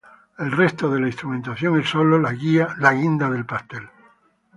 El resto de la instrumentación es sólo la guinda del pastel.